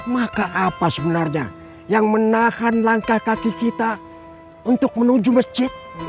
maka apa sebenarnya yang menahan langkah kaki kita untuk menuju masjid